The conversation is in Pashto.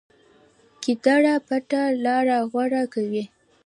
ګیدړ پټه لاره غوره کوي.